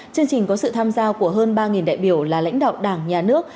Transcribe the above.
chương trình có sự tham gia của hơn ba đại biểu là lãnh đạo đảng nhà nước